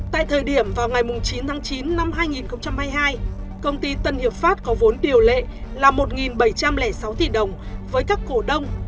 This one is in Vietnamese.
tại thời điểm vào ngày chín tháng chín năm hai nghìn hai mươi hai công ty tân hiệp pháp có vốn điều lệ là một bảy trăm linh sáu tỷ đồng với các cổ đông